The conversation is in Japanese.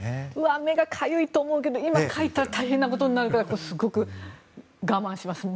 目がかゆいと思うけど今、かいたら大変なことになるからすごく我慢しますね。